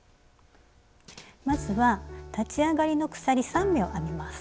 まずは立ち上がりの鎖３目を編みます。